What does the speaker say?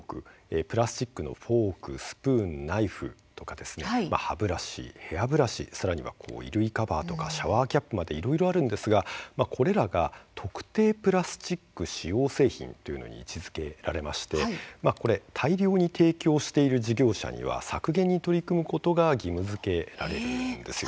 プラスチックのフォークスプーン、ナイフとか歯ブラシ、ヘアブラシさらには衣類カバーシャワーキャップなどいろいろあるんですがこれらは特定プラスチック使用製品というのに位置づけられましてこれは大量に提供している事業者には削減に取り組むことが義務づけられるんです。